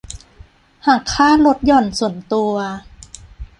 หักค่าลดหย่อนส่วนตัว